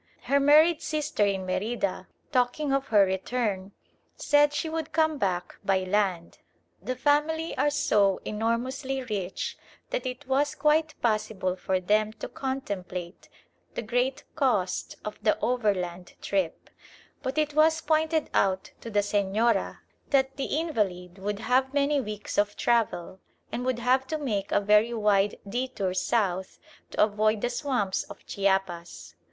Her married sister in Merida, talking of her return, said she would come back by land. The family are so enormously rich that it was quite possible for them to contemplate the great cost of the overland trip; but it was pointed out to the señora that the invalid would have many weeks of travel, and would have to make a very wide detour south, to avoid the swamps of Chiapas.